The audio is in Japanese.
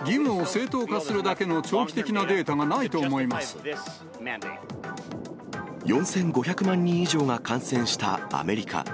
義務を正当化するだけの長期４５００万人以上が感染したアメリカ。